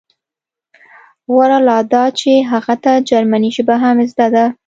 غوره لا دا چې هغې ته جرمني ژبه هم زده ده